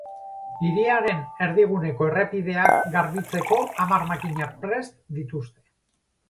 Hiriaren erdiguneko errepideak garbitzeko hamar makina prest dituzte.